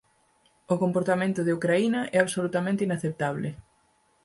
O comportamento de Ucraína é absolutamente inaceptable».